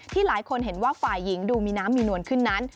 หลายคนเห็นว่าฝ่ายหญิงดูมีน้ำมีนวลขึ้นนั้น